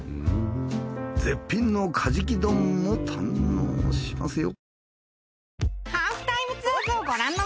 絶品のカジキ丼も堪能しますよ。